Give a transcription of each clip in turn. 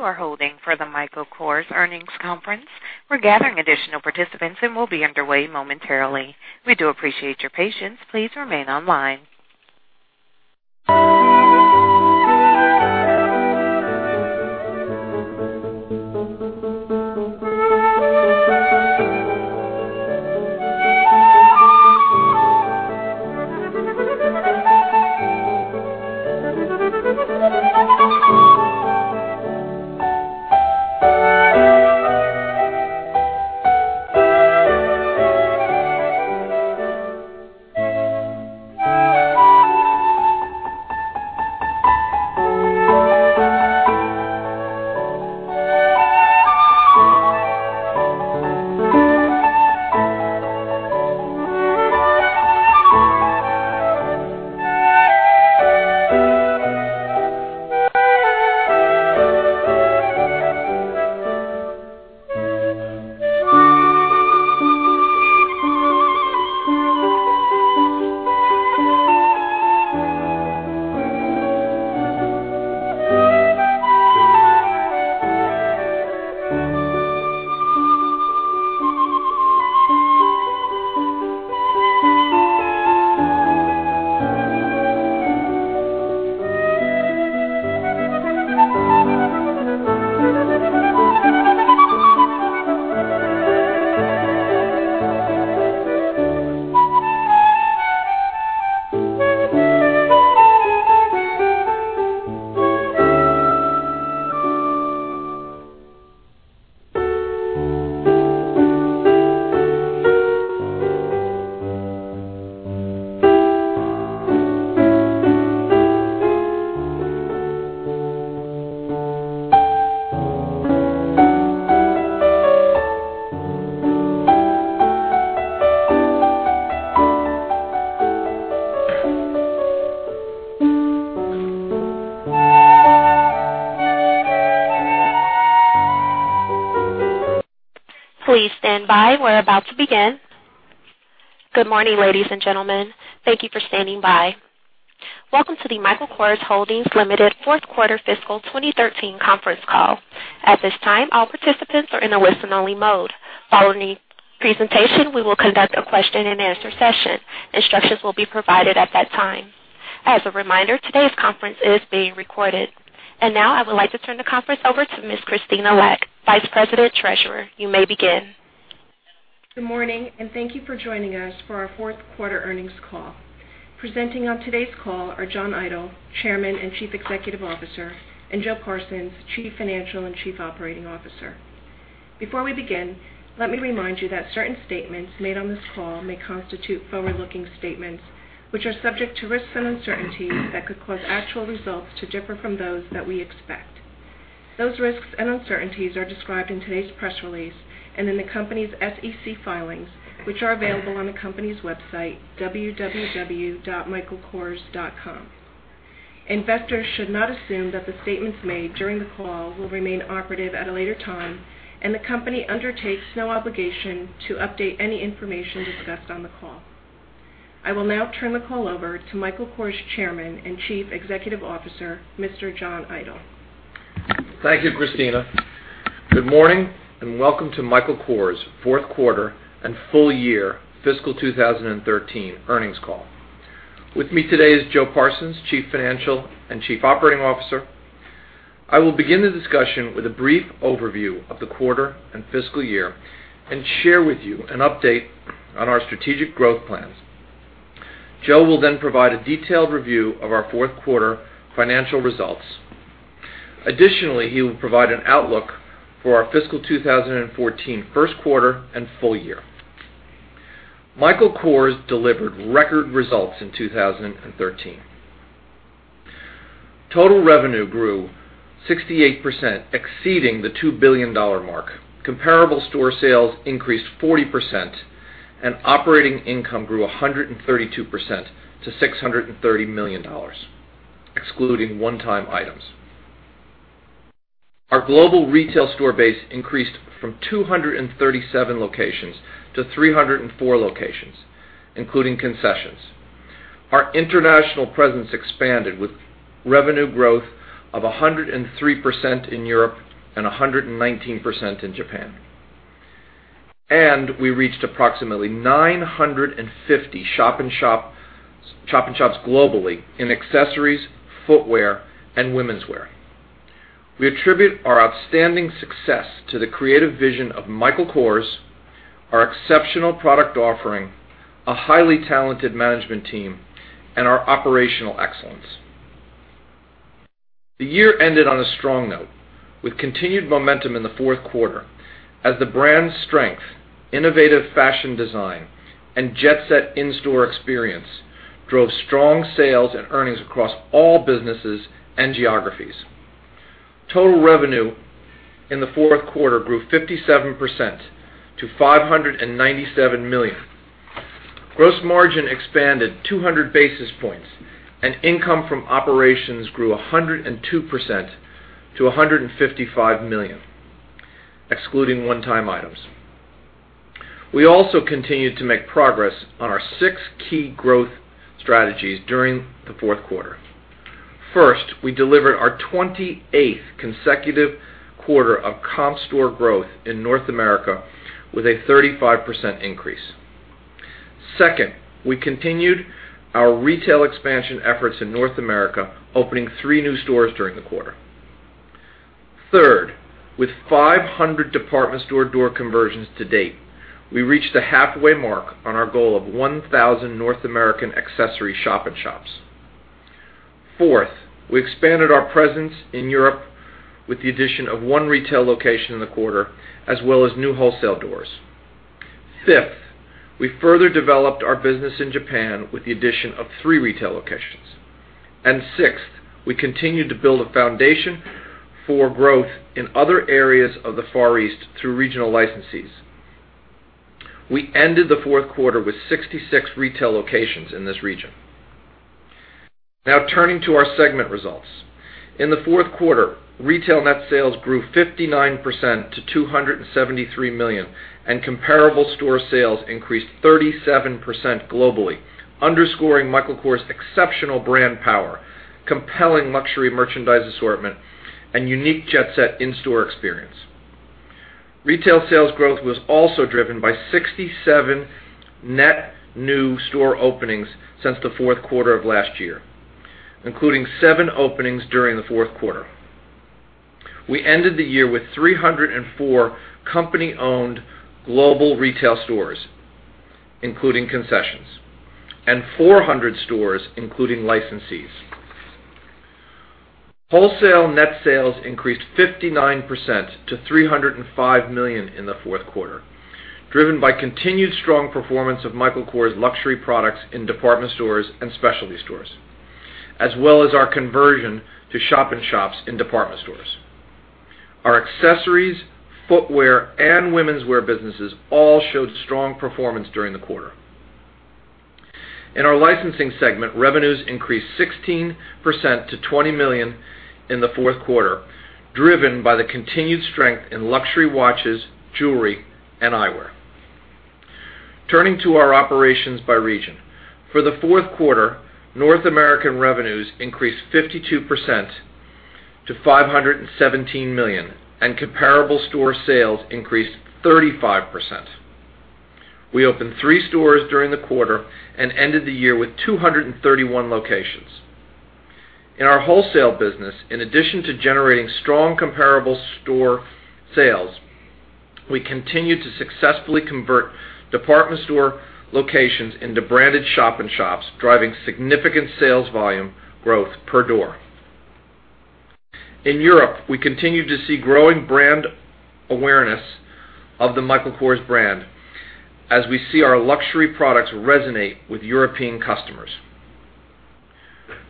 You are holding for the Michael Kors earnings conference. We're gathering additional participants and will be underway momentarily. We do appreciate your patience. Please remain online. Please stand by. We're about to begin. Good morning, ladies and gentlemen. Thank you for standing by. Welcome to the Michael Kors Holdings Limited fourth quarter fiscal 2013 conference call. At this time, all participants are in a listen-only mode. Following the presentation, we will conduct a question-and-answer session. Instructions will be provided at that time. As a reminder, today's conference is being recorded. Now I would like to turn the conference over to Ms. Christina Lac, Vice President, Treasurer. You may begin. Good morning. Thank you for joining us for our fourth quarter earnings call. Presenting on today's call are John Idol, Chairman and Chief Executive Officer, and Joe Parsons, Chief Financial and Chief Operating Officer. Before we begin, let me remind you that certain statements made on this call may constitute forward-looking statements, which are subject to risks and uncertainties that could cause actual results to differ from those that we expect. Those risks and uncertainties are described in today's press release and in the company's SEC filings, which are available on the company's website, www.michaelkors.com. Investors should not assume that the statements made during the call will remain operative at a later time, and the company undertakes no obligation to update any information discussed on the call. I will now turn the call over to Michael Kors Chairman and Chief Executive Officer, Mr. John Idol. Thank you, Christina. Good morning. Welcome to Michael Kors' fourth quarter and full year fiscal 2013 earnings call. With me today is Joe Parsons, Chief Financial and Chief Operating Officer. I will begin the discussion with a brief overview of the quarter and fiscal year and share with you an update on our strategic growth plans. Joe will provide a detailed review of our fourth quarter financial results. Additionally, he will provide an outlook for our fiscal 2014 first quarter and full year. Michael Kors delivered record results in 2013. Total revenue grew 68%, exceeding the $2 billion mark. Comparable store sales increased 40%, and operating income grew 132% to $630 million, excluding one-time items. Our global retail store base increased from 237 locations to 304 locations, including concessions. Our international presence expanded with revenue growth of 103% in Europe and 119% in Japan. We reached approximately 950 shop-in-shops globally in accessories, footwear, and womenswear. We attribute our outstanding success to the creative vision of Michael Kors, our exceptional product offering, a highly talented management team, and our operational excellence. The year ended on a strong note with continued momentum in the fourth quarter as the brand's strength, innovative fashion design, and jet-set in-store experience drove strong sales and earnings across all businesses and geographies. Total revenue in the fourth quarter grew 57% to $597 million. Gross margin expanded 200 basis points, and income from operations grew 102% to $155 million, excluding one-time items. We also continued to make progress on our six key growth strategies during the fourth quarter. First, we delivered our 28th consecutive quarter of comp store growth in North America with a 35% increase. Second, we continued our retail expansion efforts in North America, opening three new stores during the quarter. Third, with 500 department store door conversions to date, we reached the halfway mark on our goal of 1,000 North American accessory shop-in-shops. Fourth, we expanded our presence in Europe with the addition of one retail location in the quarter, as well as new wholesale doors. Fifth, we further developed our business in Japan with the addition of three retail locations. Sixth, we continued to build a foundation for growth in other areas of the Far East through regional licensees. We ended the fourth quarter with 66 retail locations in this region. Turning to our segment results. In the fourth quarter, retail net sales grew 59% to $273 million, and comparable store sales increased 37% globally, underscoring Michael Kors' exceptional brand power, compelling luxury merchandise assortment, and unique jet-set in-store experience. Retail sales growth was also driven by 67 net new store openings since the fourth quarter of last year, including seven openings during the fourth quarter. We ended the year with 304 company-owned global retail stores, including concessions, and 400 stores, including licensees. Wholesale net sales increased 59% to $305 million in the fourth quarter, driven by continued strong performance of Michael Kors' luxury products in department stores and specialty stores, as well as our conversion to shop-in-shops in department stores. Our accessories, footwear, and womenswear businesses all showed strong performance during the quarter. In our licensing segment, revenues increased 16% to $20 million in the fourth quarter, driven by the continued strength in luxury watches, jewelry, and eyewear. Turning to our operations by region. For the fourth quarter, North American revenues increased 52% to $517 million, and comparable store sales increased 35%. We opened three stores during the quarter and ended the year with 231 locations. In our wholesale business, in addition to generating strong comparable store sales, we continued to successfully convert department store locations into branded shop-in-shops, driving significant sales volume growth per door. In Europe, we continue to see growing brand awareness of the Michael Kors brand as we see our luxury products resonate with European customers.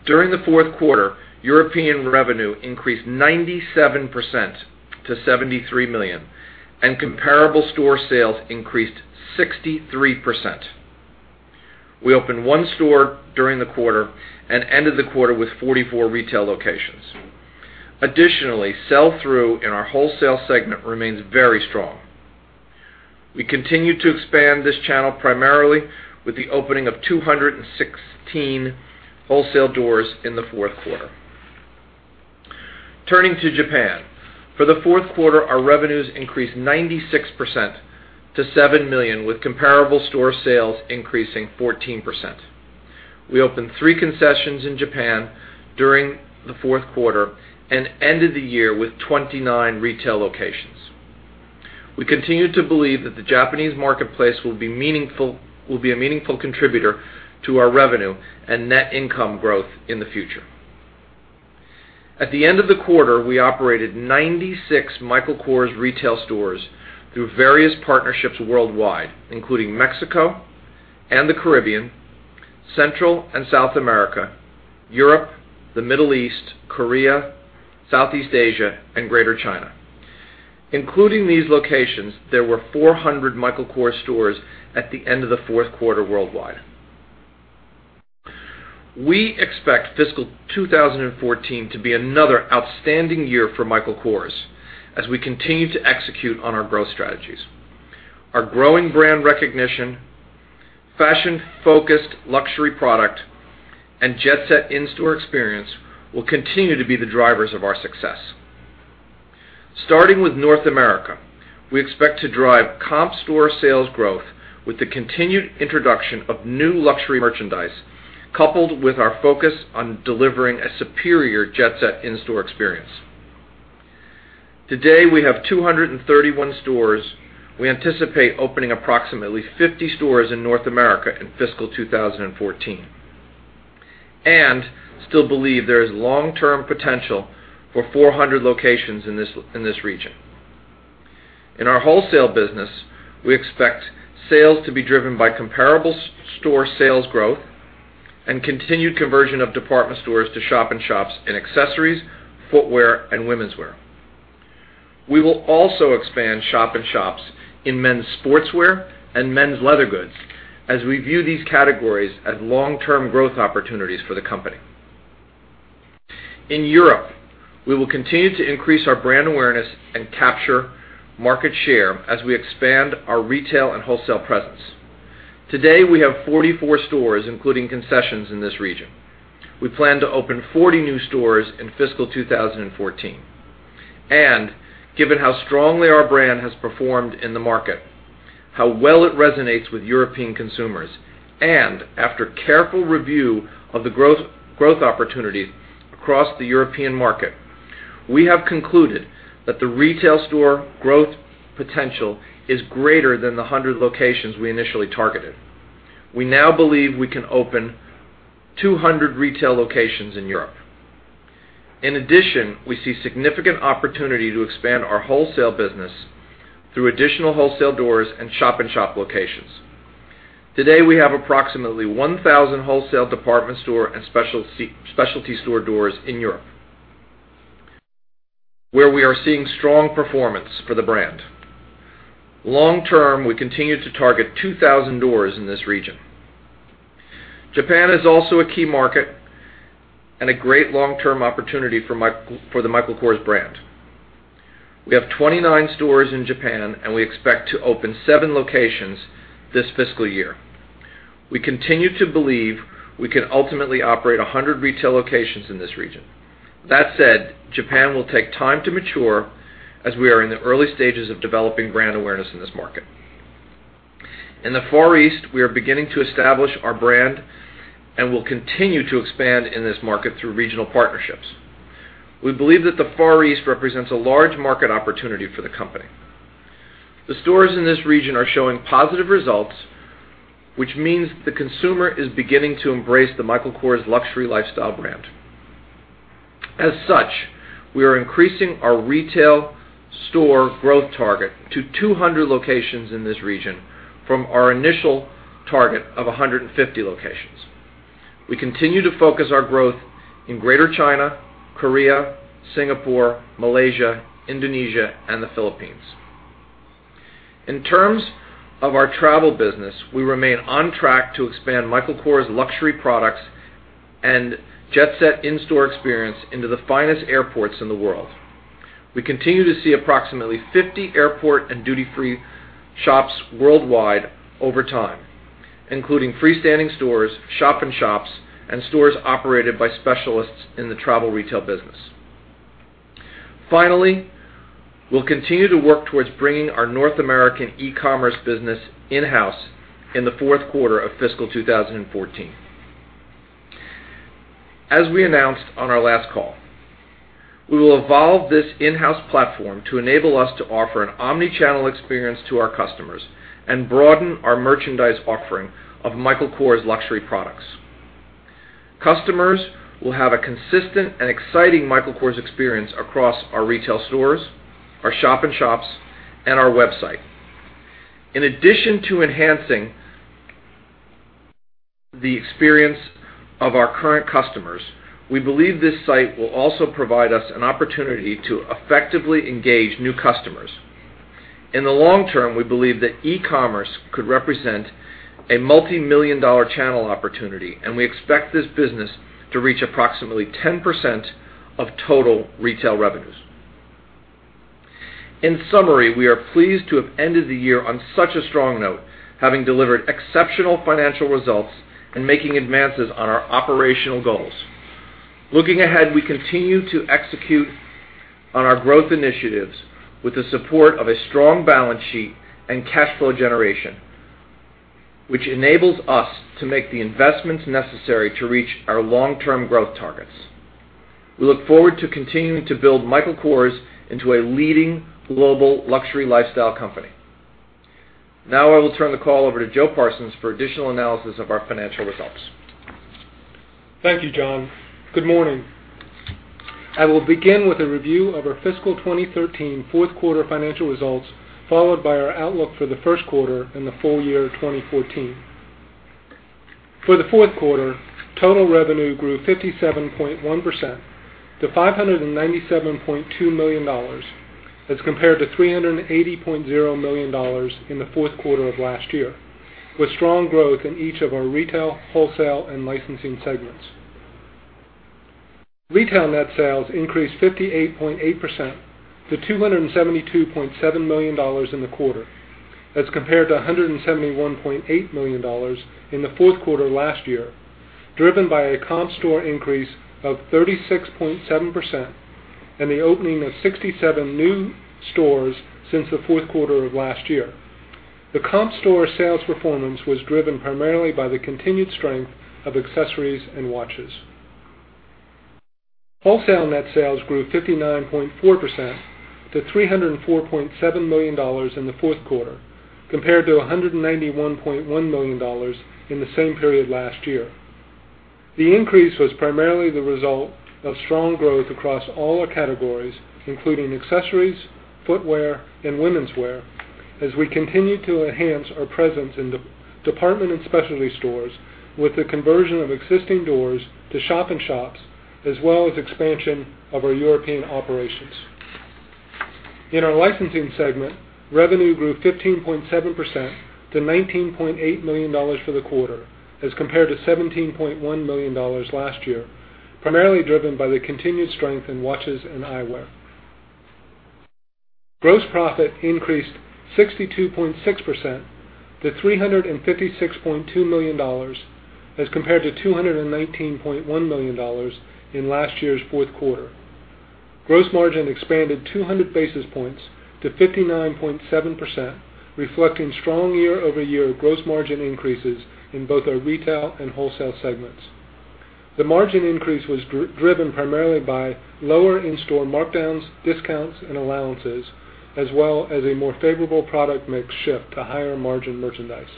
During the fourth quarter, European revenue increased 97% to $73 million, and comparable store sales increased 63%. We opened one store during the quarter and ended the quarter with 44 retail locations. Additionally, sell-through in our wholesale segment remains very strong. We continue to expand this channel primarily with the opening of 216 wholesale doors in the fourth quarter. Turning to Japan. For the fourth quarter, our revenues increased 96% to $7 million, with comparable store sales increasing 14%. We opened three concessions in Japan during the fourth quarter and ended the year with 29 retail locations. We continue to believe that the Japanese marketplace will be a meaningful contributor to our revenue and net income growth in the future. At the end of the quarter, we operated 96 Michael Kors retail stores through various partnerships worldwide, including Mexico and the Caribbean, Central and South America, Europe, the Middle East, Korea, Southeast Asia, and Greater China. Including these locations, there were 400 Michael Kors stores at the end of the fourth quarter worldwide. We expect fiscal 2014 to be another outstanding year for Michael Kors as we continue to execute on our growth strategies. Our growing brand recognition, fashion-focused luxury product, and jet-set in-store experience will continue to be the drivers of our success. Starting with North America, we expect to drive comp store sales growth with the continued introduction of new luxury merchandise, coupled with our focus on delivering a superior jet-set in-store experience. Today, we have 231 stores. We anticipate opening approximately 50 stores in North America in fiscal 2014 and still believe there is long-term potential for 400 locations in this region. In our wholesale business, we expect sales to be driven by comparable store sales growth and continued conversion of department stores to shop-in-shops in accessories, footwear, and womenswear. We will also expand shop-in-shops in men's sportswear and men's leather goods as we view these categories as long-term growth opportunities for the company. In Europe, we will continue to increase our brand awareness and capture market share as we expand our retail and wholesale presence. Today, we have 44 stores, including concessions in this region. Given how strongly our brand has performed in the market, how well it resonates with European consumers, and after careful review of the growth opportunities across the European market, we have concluded that the retail store growth potential is greater than the 100 locations we initially targeted. We now believe we can open 200 retail locations in Europe. In addition, we see significant opportunity to expand our wholesale business through additional wholesale doors and shop-in-shop locations. Today, we have approximately 1,000 wholesale department store and specialty store doors in Europe, where we are seeing strong performance for the brand. Long-term, we continue to target 2,000 doors in this region. Japan is also a key market and a great long-term opportunity for the Michael Kors brand. We have 29 stores in Japan, and we expect to open seven locations this fiscal year. We continue to believe we can ultimately operate 100 retail locations in this region. That said, Japan will take time to mature as we are in the early stages of developing brand awareness in this market. In the Far East, we are beginning to establish our brand and will continue to expand in this market through regional partnerships. We believe that the Far East represents a large market opportunity for the company. The stores in this region are showing positive results, which means the consumer is beginning to embrace the Michael Kors luxury lifestyle brand. As such, we are increasing our retail store growth target to 200 locations in this region from our initial target of 150 locations. We continue to focus our growth in Greater China, Korea, Singapore, Malaysia, Indonesia, and the Philippines. In terms of our travel business, we remain on track to expand Michael Kors luxury products and jet-set in-store experience into the finest airports in the world. We continue to see approximately 50 airport and duty-free shops worldwide over time, including freestanding stores, shop-in-shops, and stores operated by specialists in the travel retail business. Finally, we'll continue to work towards bringing our North American e-commerce business in-house in the fourth quarter of fiscal 2014. As we announced on our last call, we will evolve this in-house platform to enable us to offer an omni-channel experience to our customers and broaden our merchandise offering of Michael Kors luxury products. Customers will have a consistent and exciting Michael Kors experience across our retail stores, our shop-in-shops, and our website. In addition to enhancing the experience of our current customers, we believe this site will also provide us an opportunity to effectively engage new customers. In the long term, we believe that e-commerce could represent a multimillion-dollar channel opportunity, and we expect this business to reach approximately 10% of total retail revenues. In summary, we are pleased to have ended the year on such a strong note, having delivered exceptional financial results and making advances on our operational goals. Looking ahead, we continue to execute on our growth initiatives with the support of a strong balance sheet and cash flow generation, which enables us to make the investments necessary to reach our long-term growth targets. We look forward to continuing to build Michael Kors into a leading global luxury lifestyle company. Now I will turn the call over to Joe Parsons for additional analysis of our financial results. Thank you, John. Good morning. I will begin with a review of our fiscal 2013 fourth quarter financial results, followed by our outlook for the first quarter and the full year 2014. For the fourth quarter, total revenue grew 57.1% to $597.2 million as compared to $380.0 million in the fourth quarter of last year, with strong growth in each of our retail, wholesale, and licensing segments. Retail net sales increased 58.8% to $272.7 million in the quarter, as compared to $171.8 million in the fourth quarter last year, driven by a comp store increase of 36.7% and the opening of 67 new stores since the fourth quarter of last year. The comp store sales performance was driven primarily by the continued strength of accessories and watches. Wholesale net sales grew 59.4% to $304.7 million in the fourth quarter, compared to $191.1 million in the same period last year. The increase was primarily the result of strong growth across all our categories, including accessories, footwear, and womenswear, as we continued to enhance our presence in department and specialty stores with the conversion of existing doors to shop-in-shops, as well as expansion of our European operations. In our licensing segment, revenue grew 15.7% to $19.8 million for the quarter as compared to $17.1 million last year, primarily driven by the continued strength in watches and eyewear. Gross profit increased 62.6% to $356.2 million as compared to $219.1 million in last year's fourth quarter. Gross margin expanded 200 basis points to 59.7%, reflecting strong year-over-year gross margin increases in both our retail and wholesale segments. The margin increase was driven primarily by lower in-store markdowns, discounts, and allowances, as well as a more favorable product mix shift to higher margin merchandise.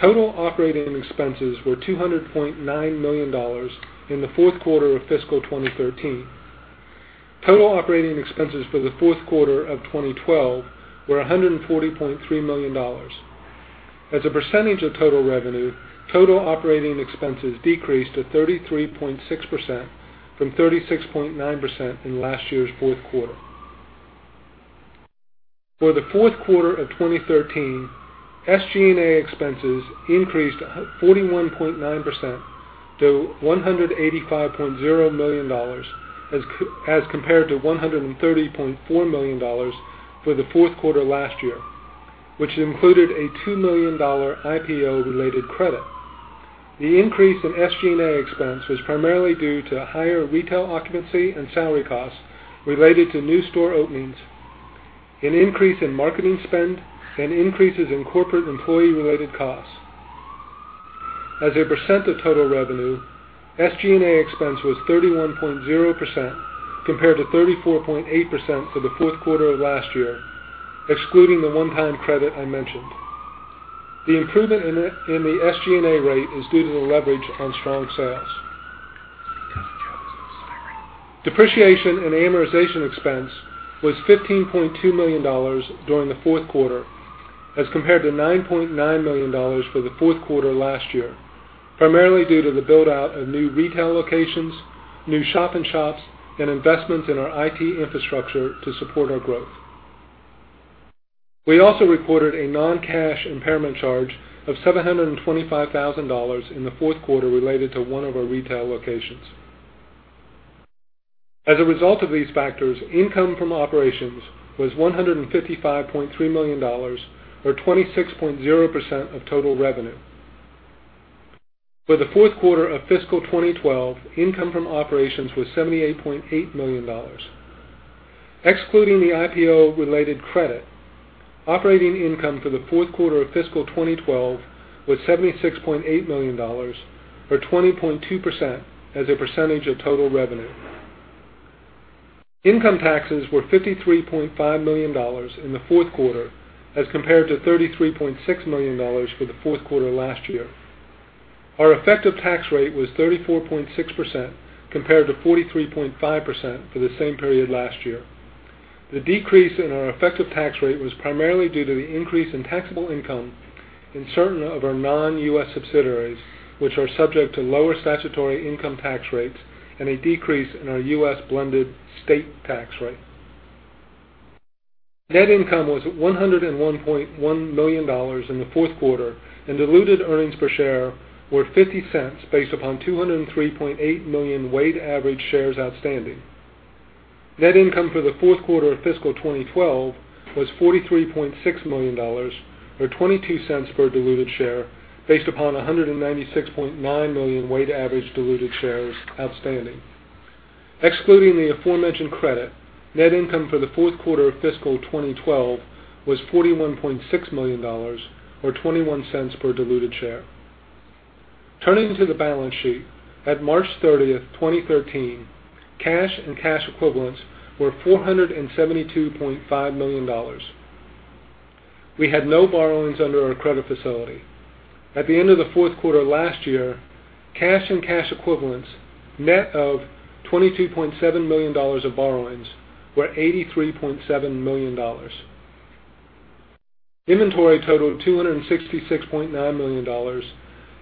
Total operating expenses were $200.9 million in the fourth quarter of fiscal 2013. Total operating expenses for the fourth quarter of 2012 were $140.3 million. As a percentage of total revenue, total operating expenses decreased to 33.6% from 36.9% in last year's fourth quarter. For the fourth quarter of 2013, SG&A expenses increased 41.9% to $185.0 million as compared to $130.4 million for the fourth quarter last year, which included a $2 million IPO-related credit. The increase in SG&A expense was primarily due to higher retail occupancy and salary costs related to new store openings, an increase in marketing spend, and increases in corporate employee-related costs. As a percent of total revenue, SG&A expense was 31.0% compared to 34.8% for the fourth quarter of last year, excluding the one-time credit I mentioned. The improvement in the SG&A rate is due to the leverage on strong sales. It's because the cow is inspiring. Depreciation and amortization expense was $15.2 million during the fourth quarter as compared to $9.9 million for the fourth quarter last year, primarily due to the build-out of new retail locations, new shop-in-shops, and investments in our IT infrastructure to support our growth. We also recorded a non-cash impairment charge of $725,000 in the fourth quarter related to one of our retail locations. As a result of these factors, income from operations was $155.3 million or 26.0% of total revenue. For the fourth quarter of fiscal 2012, income from operations was $78.8 million. Excluding the IPO-related credit, operating income for the fourth quarter of fiscal 2012 was $76.8 million or 20.2% as a percentage of total revenue. Income taxes were $53.5 million in the fourth quarter as compared to $33.6 million for the fourth quarter last year. Our effective tax rate was 34.6% compared to 43.5% for the same period last year. The decrease in our effective tax rate was primarily due to the increase in taxable income in certain of our non-U.S. subsidiaries, which are subject to lower statutory income tax rates and a decrease in our U.S. blended state tax rate. Net income was $101.1 million in the fourth quarter, and diluted earnings per share were $0.50 upon 203.8 million weighted average shares outstanding. Net income for the fourth quarter of fiscal 2012 was $43.6 million or $0.22 per diluted share based upon 196.9 million weighted average diluted shares outstanding. Excluding the aforementioned credit, net income for the fourth quarter of fiscal 2012 was $41.6 million or $0.21 per diluted share. Turning to the balance sheet, at March 30th, 2013, cash and cash equivalents were $472.5 million. We had no borrowings under our credit facility. At the end of the fourth quarter last year, cash and cash equivalents, net of $22.7 million of borrowings, were $83.7 million. Inventory totaled $266.9 million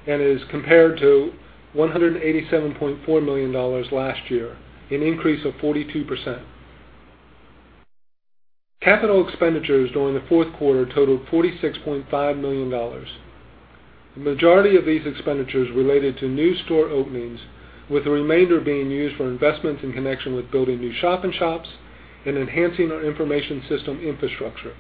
and is compared to $187.4 million last year, an increase of 42%. Capital expenditures during the fourth quarter totaled $46.5 million. The majority of these expenditures related to new store openings, with the remainder being used for investments in connection with building new shop-in-shops and enhancing our information system infrastructure.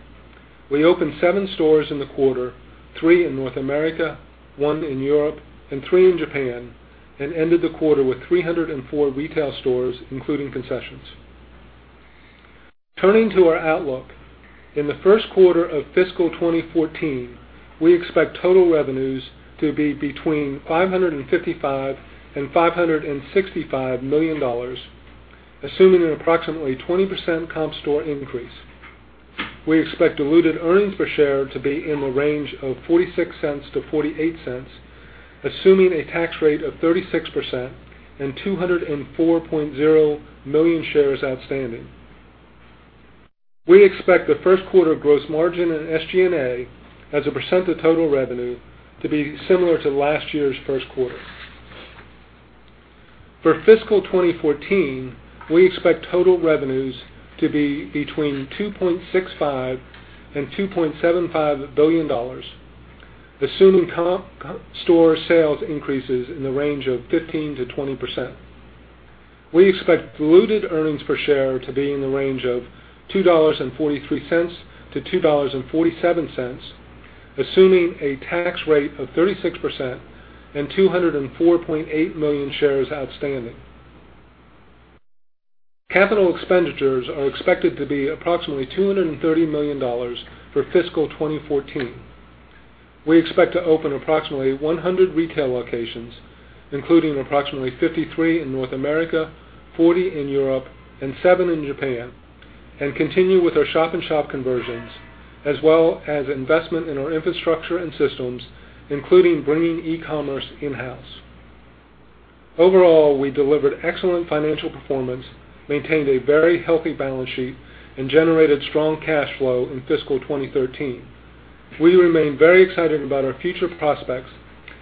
We opened seven stores in the quarter, three in North America, one in Europe, and three in Japan, and ended the quarter with 304 retail stores, including concessions. Turning to our outlook, in the first quarter of fiscal 2014, we expect total revenues to be between $555 and $565 million, assuming an approximately 20% comp store increase. We expect diluted earnings per share to be in the range of $0.46-$0.48, assuming a tax rate of 36% and 204.0 million shares outstanding. We expect the first quarter gross margin and SG&A as a percent of total revenue to be similar to last year's first quarter. For fiscal 2014, we expect total revenues to be between $2.65 billion and $2.75 billion, assuming comp store sales increases in the range of 15%-20%. We expect diluted earnings per share to be in the range of $2.43-$2.47, assuming a tax rate of 36% and 204.8 million shares outstanding. Capital expenditures are expected to be approximately $230 million for fiscal 2014. We expect to open approximately 100 retail locations, including approximately 53 in North America, 40 in Europe and 7 in Japan, and continue with our shop-in-shop conversions, as well as investment in our infrastructure and systems, including bringing e-commerce in-house. Overall, we delivered excellent financial performance, maintained a very healthy balance sheet, and generated strong cash flow in fiscal 2013. We remain very excited about our future prospects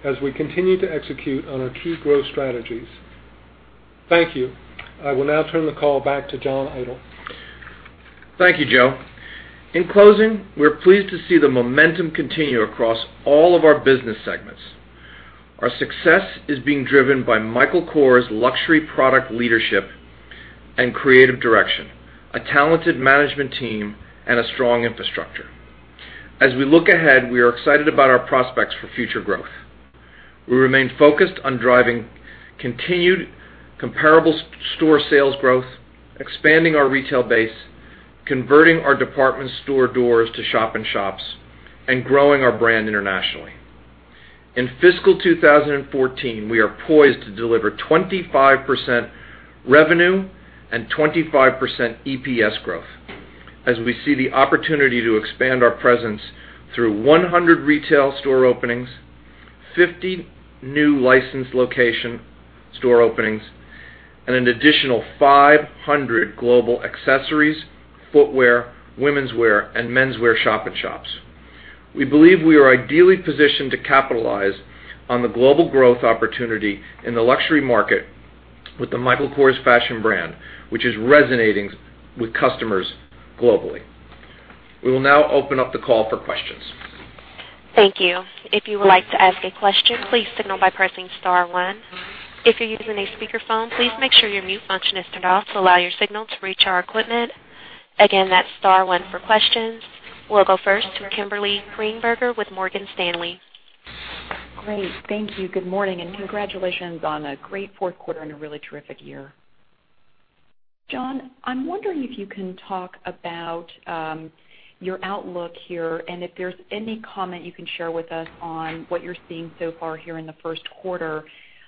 as we continue to execute on our key growth strategies. Thank you. I will now turn the call back to John Idol. Thank you, Joe. In closing, we're pleased to see the momentum continue across all of our business segments. Our success is being driven by Michael Kors' luxury product leadership and creative direction, a talented management team, and a strong infrastructure. As we look ahead, we are excited about our prospects for future growth. We remain focused on driving continued comparable store sales growth, expanding our retail base, converting our department store doors to shop-in-shops, and growing our brand internationally. In fiscal 2014, we are poised to deliver 25% revenue and 25% EPS growth as we see the opportunity to expand our presence through 100 retail store openings, 50 new licensed location store openings, and an additional 500 global accessories, footwear, womenswear, and menswear shop-in-shops. We believe we are ideally positioned to capitalize on the global growth opportunity in the luxury market with the Michael Kors fashion brand, which is resonating with customers globally. We will now open up the call for questions. Thank you. If you would like to ask a question, please signal by pressing star one. If you're using a speakerphone, please make sure your mute function is turned off to allow your signal to reach our equipment. Again, that's star one for questions. We'll go first to Kimberly Greenberger with Morgan Stanley. Great. Thank you. Good morning, and congratulations on a great fourth quarter and a really terrific year. John, I'm wondering if you can talk about your outlook here, and if there's any comment you can share with us on what you're seeing so far here in the first quarter.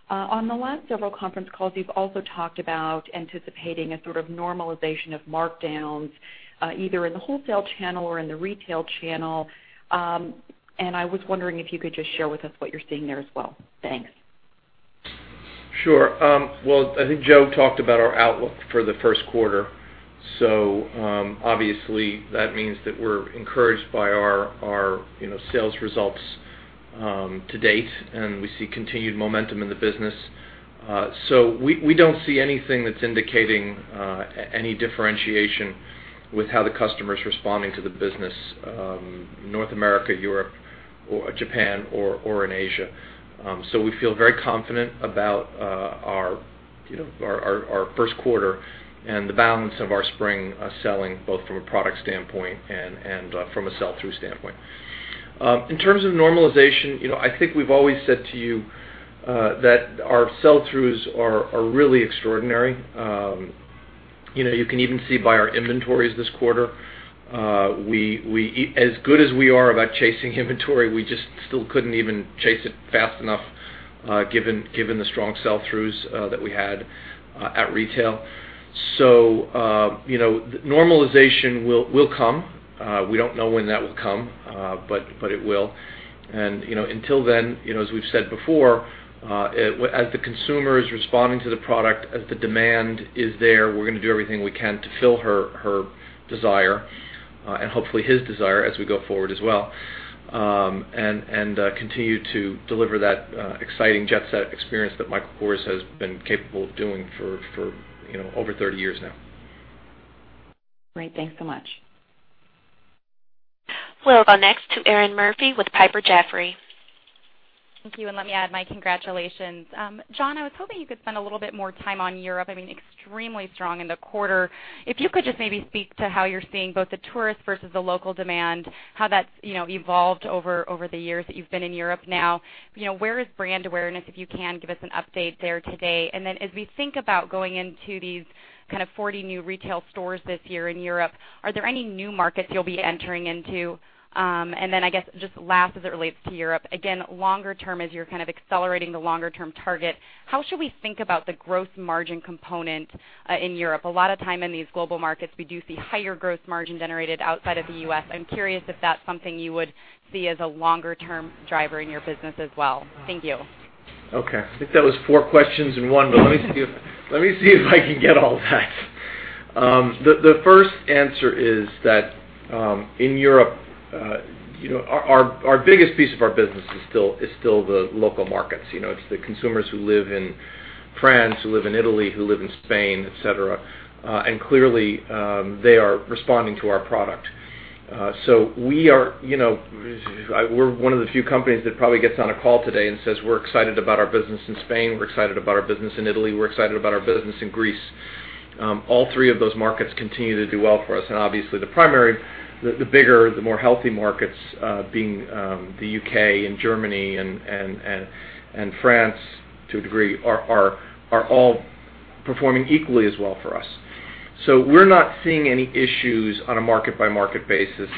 On the last several conference calls, you've also talked about anticipating a sort of normalization of markdowns either in the wholesale channel or in the retail channel. I was wondering if you could just share with us what you're seeing there as well. Thanks. Sure. Well, I think Joe talked about our outlook for the first quarter. Obviously, that means that we're encouraged by our sales results to date, and we see continued momentum in the business. We don't see anything that's indicating any differentiation with how the customer is responding to the business, North America, Europe or Japan or in Asia. We feel very confident about our first quarter and the balance of our spring selling, both from a product standpoint and from a sell-through standpoint. In terms of normalization, I think we've always said to you that our sell-throughs are really extraordinary. You can even see by our inventories this quarter. As good as we are about chasing inventory, we just still couldn't even chase it fast enough given the strong sell-throughs that we had at retail. Normalization will come. We don't know when that will come, but it will. Until then, as we've said before, as the consumer is responding to the product, as the demand is there, we're going to do everything we can to fill her desire and hopefully his desire as we go forward as well, and continue to deliver that exciting jet set experience that Michael Kors has been capable of doing for over 30 years now. Great. Thanks so much. We'll go next to Erinn Murphy with Piper Jaffray. Thank you. Let me add my congratulations. John, I was hoping you could spend a little bit more time on Europe. I mean, extremely strong in the quarter. If you could just maybe speak to how you're seeing both the tourist versus the local demand, how that's evolved over the years that you've been in Europe now. Where is brand awareness? If you can, give us an update there today. As we think about going into these kind of 40 new retail stores this year in Europe, are there any new markets you'll be entering into? I guess, just last as it relates to Europe, again, longer term, as you're kind of accelerating the longer-term target, how should we think about the gross margin component in Europe? A lot of time in these global markets, we do see higher gross margin generated outside of the U.S. I'm curious if that's something you would see as a longer-term driver in your business as well. Thank you. I think that was 4 questions in one, let me see if I can get all that. The first answer is that in Europe, our biggest piece of our business is still the local markets. It's the consumers who live in France, who live in Italy, who live in Spain, et cetera. Clearly, they are responding to our product. We're one of the few companies that probably gets on a call today and says, "We're excited about our business in Spain. We're excited about our business in Italy. We're excited about our business in Greece." All 3 of those markets continue to do well for us. Obviously, the primary, the bigger, the more healthy markets being the U.K. and Germany and France to a degree, are all performing equally as well for us. We're not seeing any issues on a market-by-market basis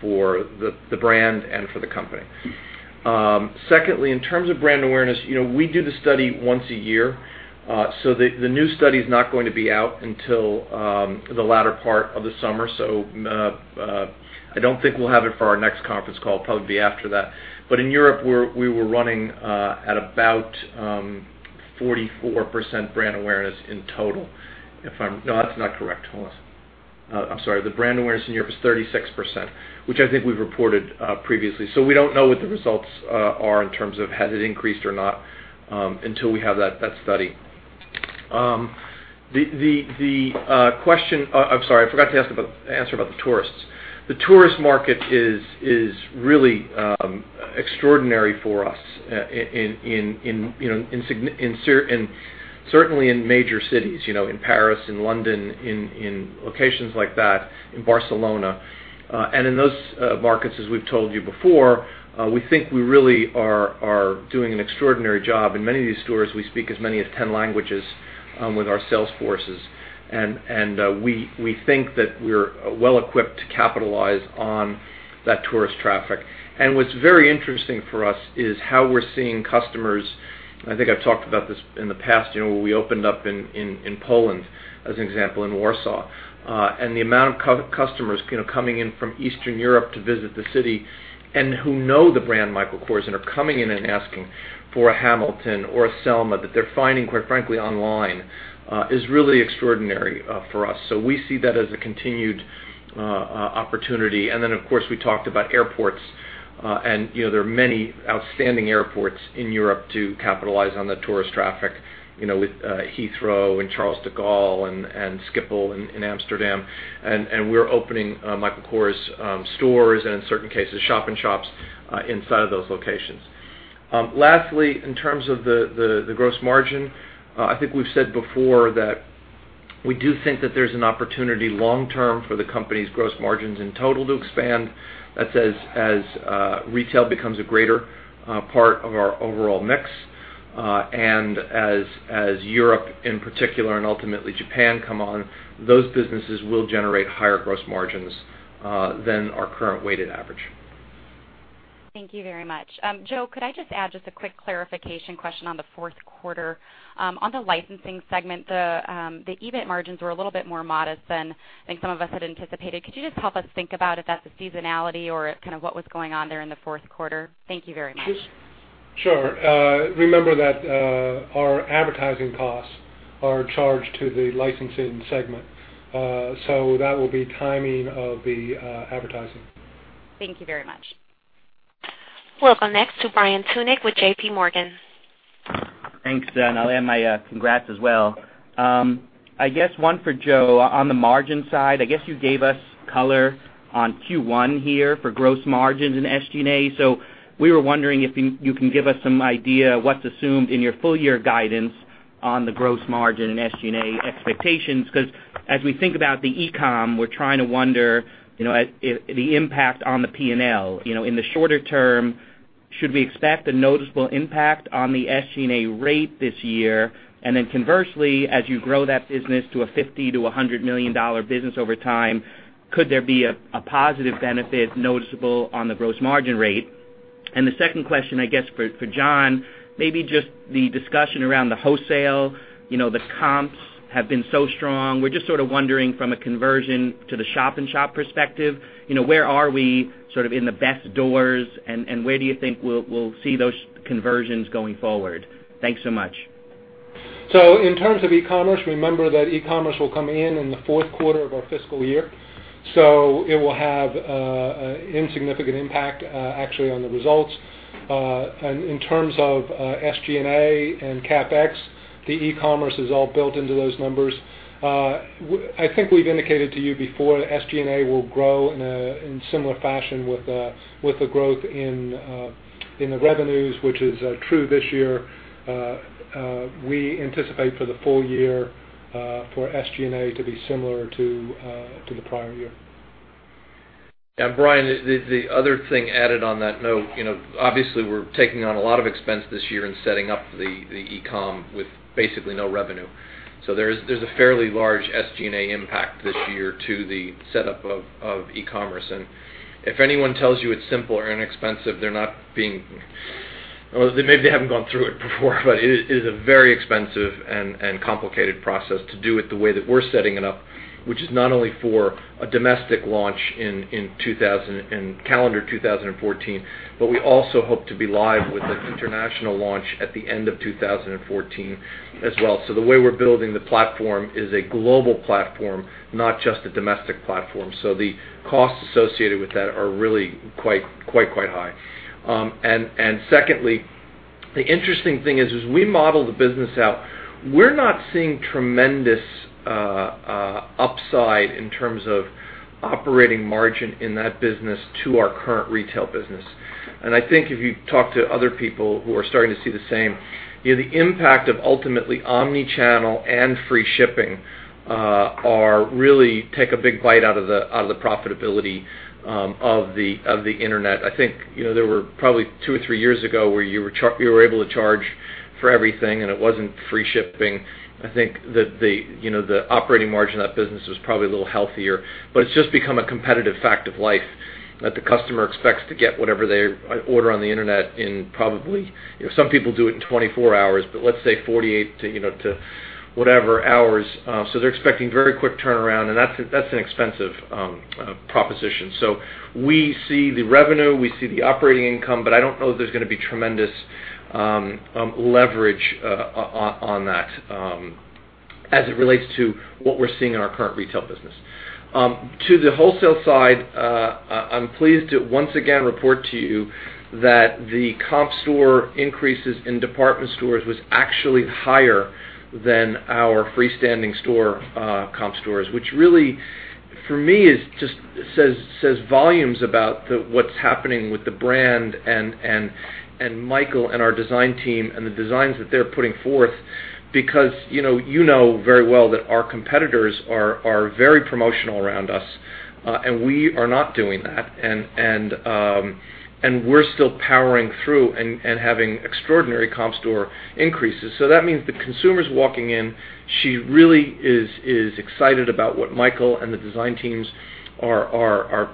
for the brand and for the company. Secondly, in terms of brand awareness, we do the study once a year. The new study's not going to be out until the latter part of the summer. I don't think we'll have it for our next conference call. It'll probably be after that. In Europe, we were running at about 44% brand awareness in total. No, that's not correct. Hold on. I'm sorry. The brand awareness in Europe is 36%, which I think we've reported previously. We don't know what the results are in terms of has it increased or not until we have that study. I'm sorry. I forgot to answer about the tourists. The tourist market is really extraordinary for us certainly in major cities, in Paris, in London, in locations like that, in Barcelona. In those markets, as we've told you before, we think we really are doing an extraordinary job. In many of these stores, we speak as many as 10 languages with our sales forces, and we think that we're well equipped to capitalize on that tourist traffic. What's very interesting for us is how we're seeing customers, and I think I've talked about this in the past, when we opened up in Poland, as an example, in Warsaw. The amount of customers coming in from Eastern Europe to visit the city and who know the brand Michael Kors and are coming in and asking for a Hamilton or a Selma that they're finding, quite frankly, online is really extraordinary for us. We see that as a continued opportunity. Of course, we talked about airports, and there are many outstanding airports in Europe to capitalize on the tourist traffic with Heathrow and Charles de Gaulle and Schiphol in Amsterdam. We're opening Michael Kors stores and, in certain cases, shop-in-shops inside of those locations. Lastly, in terms of the gross margin, I think we've said before that we do think that there's an opportunity long term for the company's gross margins in total to expand. That's as retail becomes a greater part of our overall mix, and as Europe in particular and ultimately Japan come on, those businesses will generate higher gross margins than our current weighted average. Thank you very much. Joe, could I just add just a quick clarification question on the fourth quarter? On the licensing segment, the EBIT margins were a little bit more modest than I think some of us had anticipated. Could you just help us think about if that's a seasonality or kind of what was going on there in the fourth quarter? Thank you very much. Sure. Remember that our advertising costs are charged to the licensing segment. That will be timing of the advertising. Thank you very much. Welcome next to Brian Tunick with JPMorgan. Thanks, Jen. I'll add my congrats as well. I guess one for Joe. On the margin side, I guess you gave us color on Q1 here for gross margins and SG&A. We were wondering if you can give us some idea of what's assumed in your full year guidance on the gross margin and SG&A expectations, because as we think about the e-commerce, we're trying to wonder the impact on the P&L. In the shorter term, should we expect a noticeable impact on the SG&A rate this year? Conversely, as you grow that business to a $50 million to $100 million business over time, could there be a positive benefit noticeable on the gross margin rate? The second question, I guess for John, maybe just the discussion around the wholesale. The comps have been so strong. We're just sort of wondering from a conversion to the shop-in-shop perspective, where are we sort of in the best doors, and where do you think we'll see those conversions going forward? Thanks so much. In terms of e-commerce, remember that e-commerce will come in in the fourth quarter of our fiscal year. It will have an insignificant impact actually on the results. In terms of SG&A and CapEx, the e-commerce is all built into those numbers. I think we've indicated to you before that SG&A will grow in similar fashion with the growth in the revenues, which is true this year. We anticipate for the full year for SG&A to be similar to the prior year. Brian, the other thing added on that note, obviously we're taking on a lot of expense this year in setting up the e-commerce with basically no revenue. There's a fairly large SG&A impact this year to the setup of e-commerce. If anyone tells you it's simple or inexpensive, they're not being. Or maybe they haven't gone through it before, but it is a very expensive and complicated process to do it the way that we're setting it up, which is not only for a domestic launch in calendar 2014, but we also hope to be live with an international launch at the end of 2014 as well. The way we're building the platform is a global platform, not just a domestic platform. The costs associated with that are really quite high. Secondly, the interesting thing is, as we model the business out, we're not seeing tremendous upside in terms of operating margin in that business to our current retail business. I think if you talk to other people who are starting to see the same, the impact of ultimately omni-channel and free shipping really take a big bite out of the profitability of the internet. I think there were probably two or three years ago where you were able to charge for everything, and it wasn't free shipping. I think that the operating margin of that business was probably a little healthier, but it's just become a competitive fact of life that the customer expects to get whatever they order on the internet in probably, some people do it in 24 hours, but let's say 48 to whatever hours. They're expecting very quick turnaround, and that's an expensive proposition. We see the revenue, we see the operating income, but I don't know that there's going to be tremendous leverage on that as it relates to what we're seeing in our current retail business. To the wholesale side, I'm pleased to once again report to you that the comp store increases in department stores was actually higher than our freestanding store comp stores, which really, for me, just says volumes about what's happening with the brand and Michael and our design team and the designs that they're putting forth. You know very well that our competitors are very promotional around us, and we are not doing that. We're still powering through and having extraordinary comp store increases. That means the consumer's walking in. She really is excited about what Michael and the design teams are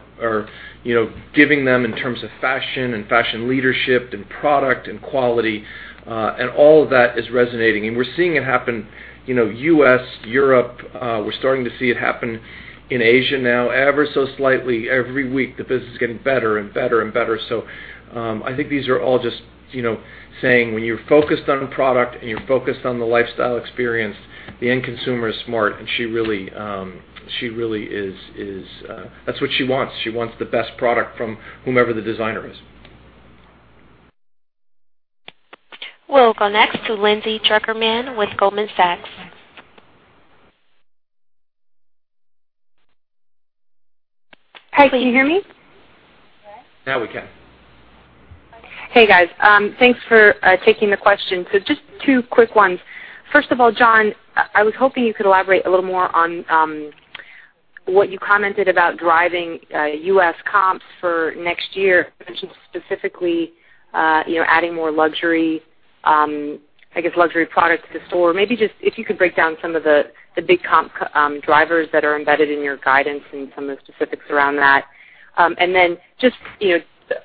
giving them in terms of fashion and fashion leadership and product and quality, and all of that is resonating. We're seeing it happen, U.S., Europe. We're starting to see it happen in Asia now ever so slightly. Every week, the business is getting better and better. I think these are all just saying when you're focused on product and you're focused on the lifestyle experience, the end consumer is smart, and that's what she wants. She wants the best product from whomever the designer is. We'll go next to Lindsay Drucker Mann with Goldman Sachs. Hi, can you hear me? Now we can. Hey, guys. Thanks for taking the question. Just two quick ones. First of all, John, I was hoping you could elaborate a little more on what you commented about driving U.S. comps for next year, specifically adding more luxury, I guess, luxury products to the store. Maybe just if you could break down some of the big comp drivers that are embedded in your guidance and some of the specifics around that. Just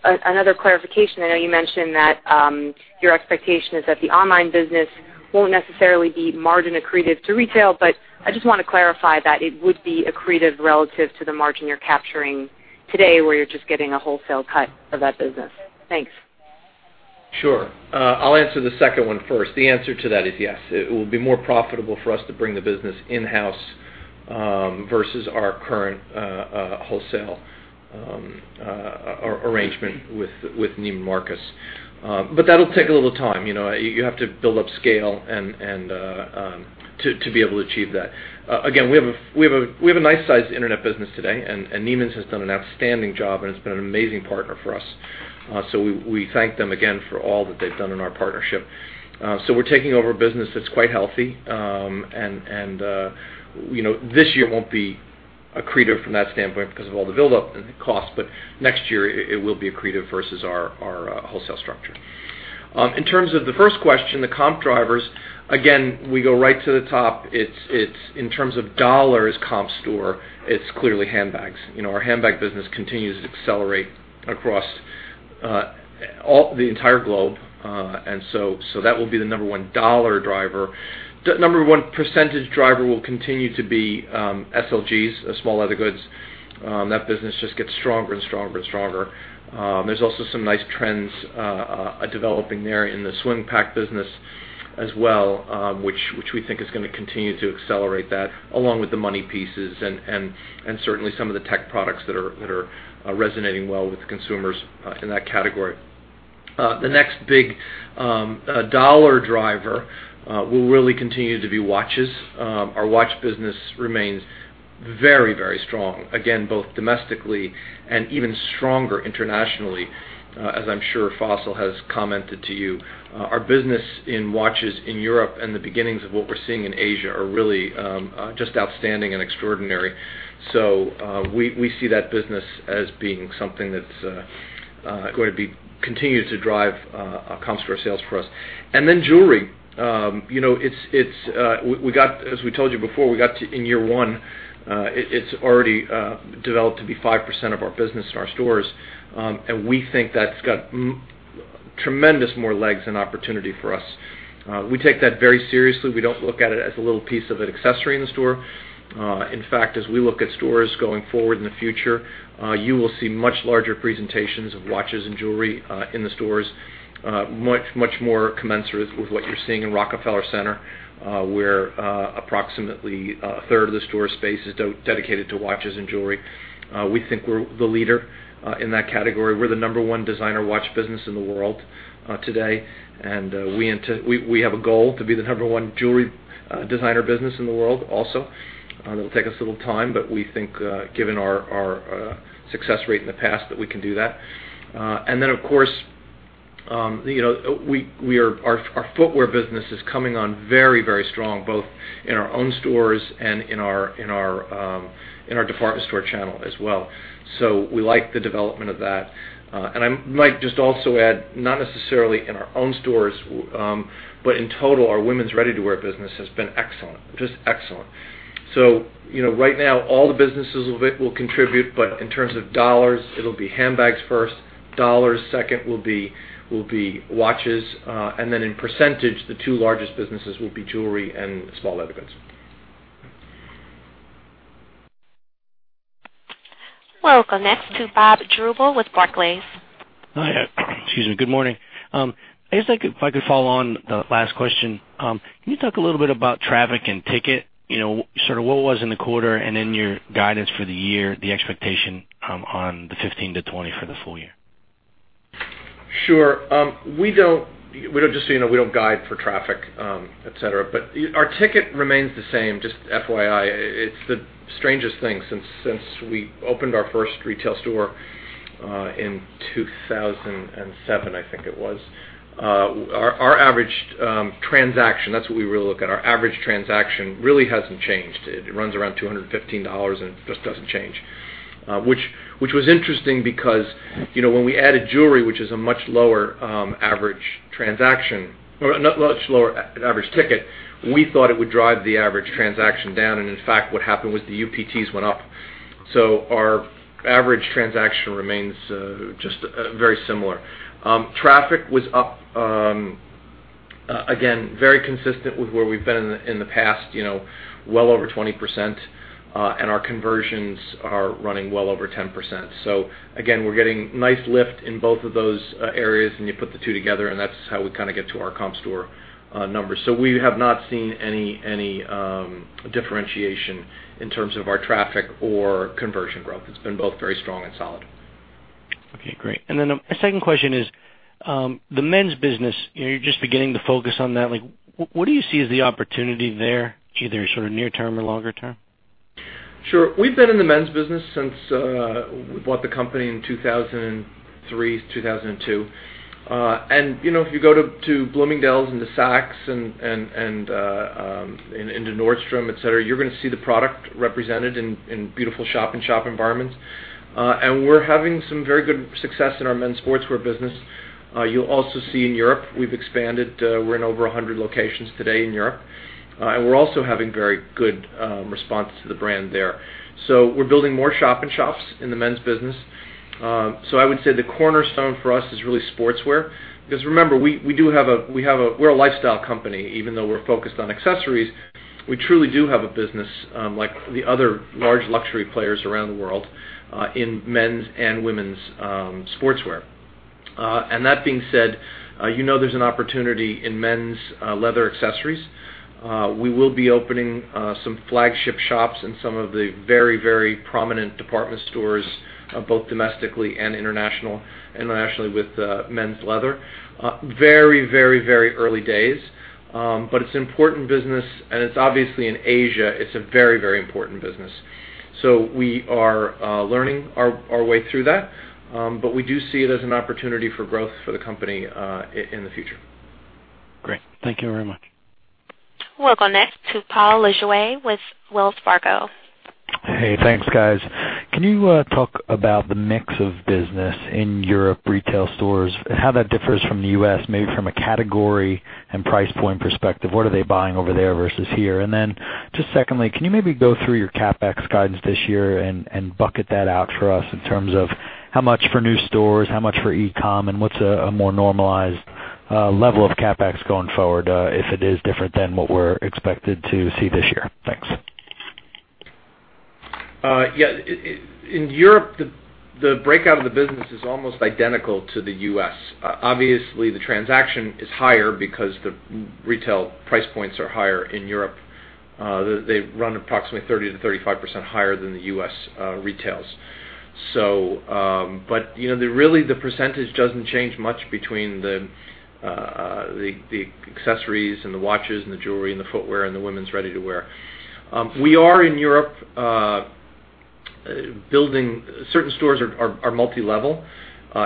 another clarification. I know you mentioned that your expectation is that the online business won't necessarily be margin accretive to retail, but I just want to clarify that it would be accretive relative to the margin you're capturing today, where you're just getting a wholesale cut of that business. Thanks. Sure. I'll answer the second one first. The answer to that is yes, it will be more profitable for us to bring the business in-house versus our current wholesale arrangement with Neiman Marcus. That'll take a little time. You have to build up scale to be able to achieve that. Again, we have a nice-sized internet business today, and Neiman's has done an outstanding job, and it's been an amazing partner for us. We thank them again for all that they've done in our partnership. We're taking over a business that's quite healthy. This year won't be accretive from that standpoint because of all the build-up and the cost, but next year it will be accretive versus our wholesale structure. In terms of the first question, the comp drivers, again, we go right to the top. In terms of dollars comp store, it's clearly handbags. Our handbag business continues to accelerate across the entire globe. That will be the number one dollar driver. The number one percentage driver will continue to be SLGs, small leather goods. That business just gets stronger and stronger. There is also some nice trends developing there in the [swim pack] business as well, which we think is going to continue to accelerate that, along with the money pieces and certainly some of the tech products that are resonating well with the consumers in that category. The next big dollar driver will really continue to be watches. Our watch business remains very strong, again, both domestically and even stronger internationally, as I am sure Fossil has commented to you. Our business in watches in Europe and the beginnings of what we are seeing in Asia are really just outstanding and extraordinary. We see that business as being something that is going to continue to drive comp store sales for us. Jewelry. As we told you before, in year one, it is already developed to be 5% of our business in our stores. We think that has got tremendous more legs and opportunity for us. We take that very seriously. We do not look at it as a little piece of an accessory in the store. In fact, as we look at stores going forward in the future, you will see much larger presentations of watches and jewelry in the stores, much more commensurate with what you are seeing in Rockefeller Center, where approximately a third of the store space is dedicated to watches and jewelry. We think we are the leader in that category. We are the number one designer watch business in the world today. We have a goal to be the number one jewelry designer business in the world also. It will take us a little time. We think given our success rate in the past, that we can do that. Of course, our footwear business is coming on very strong, both in our own stores and in our department store channel as well. We like the development of that. I might just also add, not necessarily in our own stores, but in total, our women's ready-to-wear business has been excellent, just excellent. Right now, all the businesses will contribute, but in terms of dollars, it will be handbags first. Dollars second will be watches. In percentage, the two largest businesses will be jewelry and small leather goods. We will go next to Robert Drbul with Barclays. Hi. Excuse me. Good morning. I guess if I could follow on the last question. Can you talk a little bit about traffic and ticket, sort of what was in the quarter and then your guidance for the year, the expectation on the 15%-20% for the full year? Sure. We don't guide for traffic, et cetera, but our ticket remains the same, just FYI. It's the strangest thing since we opened our first retail store in 2007, I think it was. Our average transaction, that's what we really look at. Our average transaction really hasn't changed. It runs around $215, and it just doesn't change. Which was interesting because when we added jewelry, which is a much lower average ticket, we thought it would drive the average transaction down, and in fact, what happened was the UPTs went up. Our average transaction remains just very similar. Traffic was up again, very consistent with where we've been in the past, well over 20%, and our conversions are running well over 10%. Again, we're getting nice lift in both of those areas, and you put the two together, and that's how we kind of get to our comp store numbers. We have not seen any differentiation in terms of our traffic or conversion growth. It's been both very strong and solid. Okay, great. A second question is the men's business. You're just beginning to focus on that. What do you see as the opportunity there, either sort of near term or longer term? Sure. We've been in the men's business since we bought the company in 2003, 2002. If you go to Bloomingdale's and to Saks and to Nordstrom, et cetera, you're going to see the product represented in beautiful shop-in-shop environments. We're having some very good success in our men's sportswear business. You'll also see in Europe, we've expanded. We're in over 100 locations today in Europe. We're also having very good response to the brand there. We're building more shop-in-shops in the men's business. I would say the cornerstone for us is really sportswear because remember, we're a lifestyle company. Even though we're focused on accessories, we truly do have a business like the other large luxury players around the world in men's and women's sportswear. That being said, you know there's an opportunity in men's leather accessories. We will be opening some flagship shops in some of the very prominent department stores both domestically and internationally with men's leather. Very early days but it's important business, and it's obviously in Asia, it's a very important business. We are learning our way through that. We do see it as an opportunity for growth for the company in the future. Great. Thank you very much. We'll go next to Paul Lejuez with Wells Fargo. Hey, thanks, guys. Can you talk about the mix of business in Europe retail stores and how that differs from the U.S., maybe from a category and price point perspective? What are they buying over there versus here? Secondly, can you maybe go through your CapEx guidance this year and bucket that out for us in terms of how much for new stores, how much for e-commerce, and what's a more normalized level of CapEx going forward, if it is different than what we're expected to see this year? Thanks. Yeah. In Europe, the breakout of the business is almost identical to the U.S. Obviously, the transaction is higher because the retail price points are higher in Europe. They run approximately 30%-35% higher than the U.S. retails. Really the percentage doesn't change much between the accessories and the watches and the jewelry and the footwear and the women's ready-to-wear. Certain stores are multilevel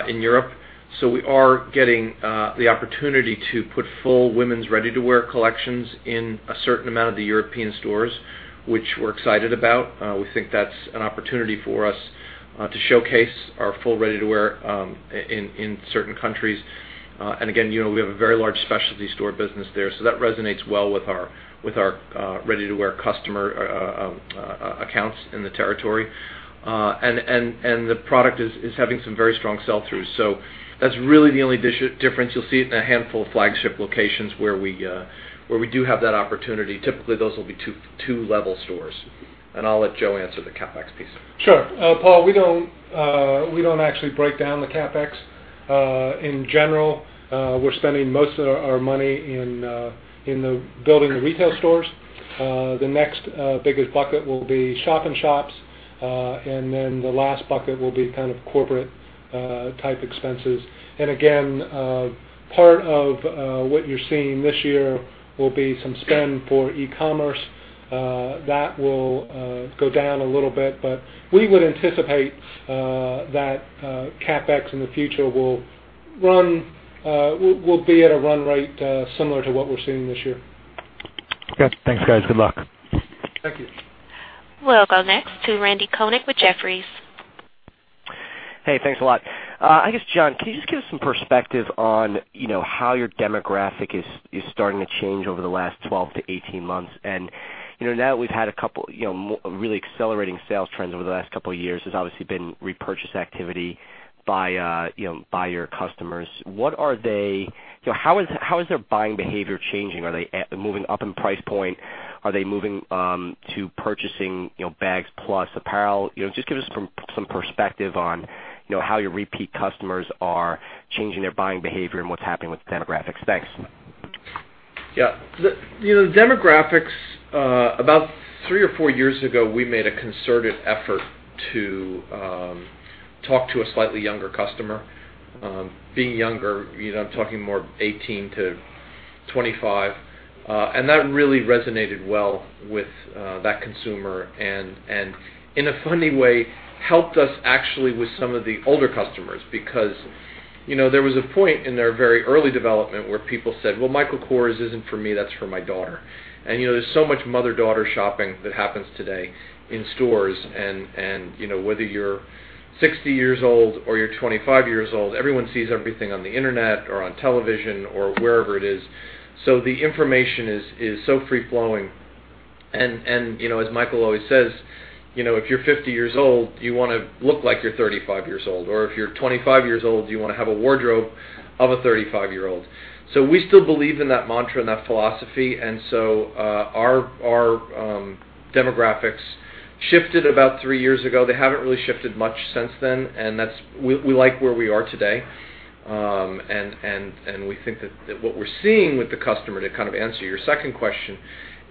in Europe, so we are getting the opportunity to put full women's ready-to-wear collections in a certain amount of the European stores, which we're excited about. We think that's an opportunity for us to showcase our full ready-to-wear in certain countries. We have a very large specialty store business there, so that resonates well with our ready-to-wear customer accounts in the territory. The product is having some very strong sell-through. That's really the only difference. You'll see it in a handful of flagship locations where we do have that opportunity. Typically, those will be two level stores. I'll let Joe answer the CapEx piece. Sure. Paul, we don't actually break down the CapEx. In general, we're spending most of our money in building the retail stores. The next biggest bucket will be shop-in-shops. The last bucket will be corporate type expenses. Part of what you're seeing this year will be some spend for e-commerce. That will go down a little bit, we would anticipate that CapEx in the future will be at a run rate similar to what we're seeing this year. Okay. Thanks, guys. Good luck. Thank you. We'll go next to Randal Konik with Jefferies. Hey, thanks a lot. I guess, John, can you just give some perspective on how your demographic is starting to change over the last 12-18 months? Now that we've had a couple of really accelerating sales trends over the last couple of years, there's obviously been repurchase activity by your customers. How is their buying behavior changing? Are they moving up in price point? Are they moving to purchasing bags plus apparel? Just give us some perspective on how your repeat customers are changing their buying behavior and what's happening with the demographics. Thanks. Yeah. The demographics, about three or four years ago, we made a concerted effort to talk to a slightly younger customer. Being younger, I'm talking more 18 to 25. That really resonated well with that consumer, and in a funny way, helped us actually with some of the older customers because there was a point in their very early development where people said, "Well, Michael Kors isn't for me, that's for my daughter." There's so much mother-daughter shopping that happens today in stores, and whether you're 60 years old or you're 25 years old, everyone sees everything on the internet or on television or wherever it is. The information is so free-flowing. As Michael always says, "If you're 50 years old, you want to look like you're 35 years old, or if you're 25 years old, you want to have a wardrobe of a 35-year-old." We still believe in that mantra and that philosophy, Our demographics shifted about three years ago. They haven't really shifted much since then, and we like where we are today. We think that what we're seeing with the customer, to kind of answer your second question,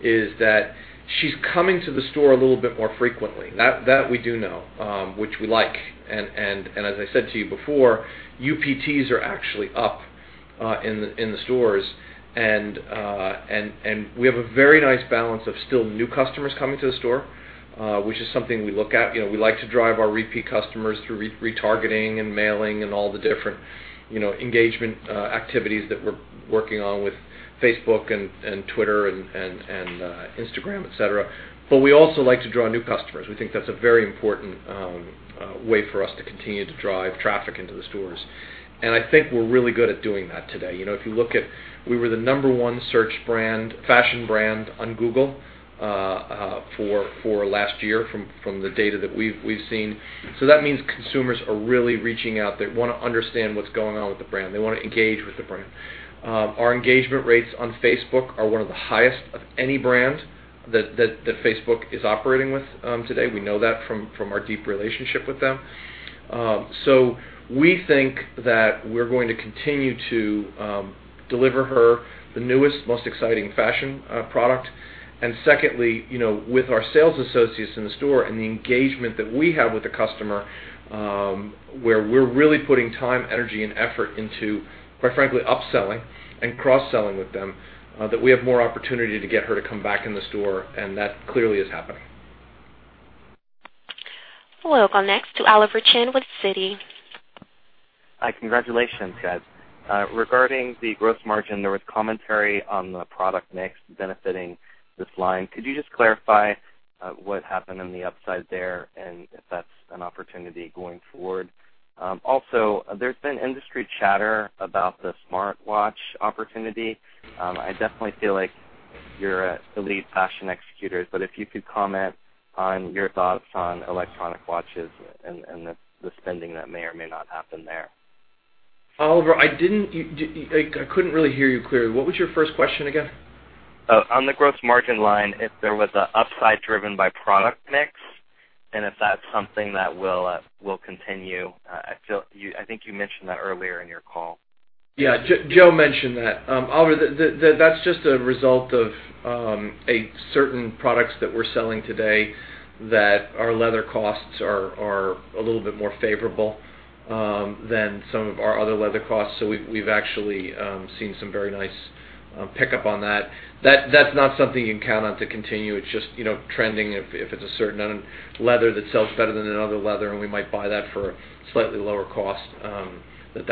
is that she's coming to the store a little bit more frequently. That we do know, which we like. As I said to you before, UPTs are actually up in the stores. We have a very nice balance of still new customers coming to the store, which is something we look at. We like to drive our repeat customers through retargeting and mailing and all the different engagement activities that we're working on with Facebook and Twitter and Instagram, et cetera. We also like to draw new customers. We think that's a very important way for us to continue to drive traffic into the stores. I think we're really good at doing that today. If you look at we were the number one search fashion brand on Google for last year from the data that we've seen. That means consumers are really reaching out. They want to understand what's going on with the brand. They want to engage with the brand. Our engagement rates on Facebook are one of the highest of any brand that Facebook is operating with today. We know that from our deep relationship with them. We think that we're going to continue to deliver her the newest, most exciting fashion product. Secondly, with our sales associates in the store and the engagement that we have with the customer, where we're really putting time, energy, and effort into, quite frankly, upselling and cross-selling with them that we have more opportunity to get her to come back in the store, That clearly is happening. We'll go next to Oliver Chen with Citi. Hi, congratulations guys. Regarding the gross margin, there was commentary on the product mix benefiting this line. Could you just clarify what happened on the upside there and if that's an opportunity going forward? There's been industry chatter about the smartwatch opportunity. I definitely feel like you're elite fashion executors, but if you could comment on your thoughts on electronic watches and the spending that may or may not happen there. Oliver, I couldn't really hear you clearly. What was your first question again? On the gross margin line, if there was an upside driven by product mix, and if that's something that will continue. I think you mentioned that earlier in your call. Yeah. Joe Parsons mentioned that. Oliver Chen, that's just a result of certain products that we're selling today that our leather costs are a little bit more favorable than some of our other leather costs. We've actually seen some very nice pickup on that. That's not something you can count on to continue. It's just trending if it's a certain leather that sells better than another leather, and we might buy that for a slightly lower cost. You